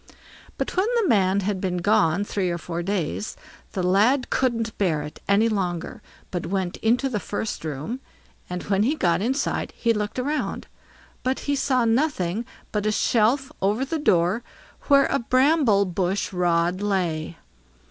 But when the man had been gone three or four days, the lad couldn't bear it any longer, but went into the first room, and when he got inside he looked round, but he saw nothing but a shelf over the door where a bramble bush rod lay.